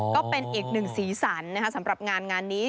ก็เป็นเอกหนึ่งศีรษรสำหรับงานนี้